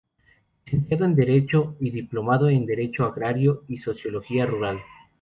Licenciado en Derecho y diplomado en Derecho Agrario y Sociología Rural.